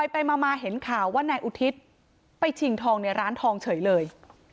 ไปมาเห็นข่าวว่านายอุทิศไปชิงทองในร้านทองเฉยเลย